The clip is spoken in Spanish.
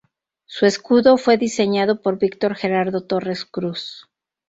Su escudo fue diseñado por Víctor Gerardo Torres Cruz.